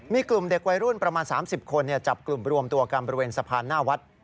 มีกลุ่มเด็กวัยรุ่นประมาณ๓๐คนจับกลุ่มรวมตัวกันบริเวณสะพานหน้าวัด